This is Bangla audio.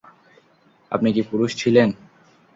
আপনি কি পুরুষ ছিলেন?